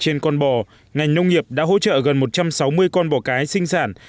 trên con bò ngành nông nghiệp đã hỗ trợ gần một trăm sáu mươi con bò cái sinh sản